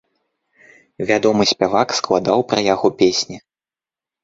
Вядомы спявак складаў пра яго песні.